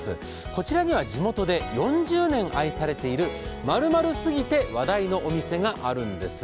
こちらには地元で４０年愛されている、「○○すぎる！で話題」のお店があるんです。